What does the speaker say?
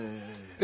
え？